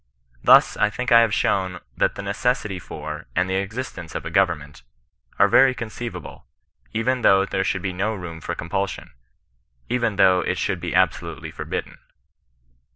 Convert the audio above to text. Thus I think I have shown that the necessity for, and the existence of a government, are very conceivable, even though, there ^ould be no room for compulsion. CHRISTIAN NON BESISTANOE. 177 even though it should be absolutely forbidden."